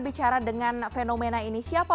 bicara dengan fenomena ini siapa